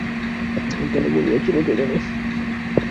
কেন বলিয়াছিল কে জানে!